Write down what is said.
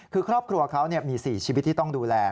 คือครอบครัวเขามี๔ชีวิตที่ต้องดูแล